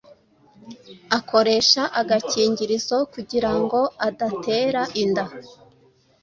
akoresha agakingirizo kugirango adatera inda